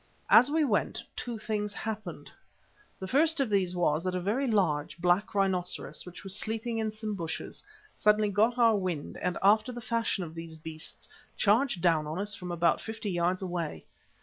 As we went, two things happened. The first of these was that a very large, black rhinoceros, which was sleeping in some bushes, suddenly got our wind and, after the fashion of these beasts, charged down on us from about fifty yards away.